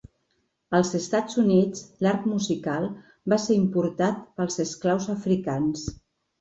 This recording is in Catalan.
Als Estats Units, l'arc musical va ser importat pels esclaus africans.